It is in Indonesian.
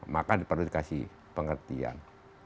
maka diperlu dikasih pengertian